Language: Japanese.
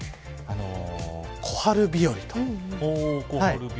小春日和と。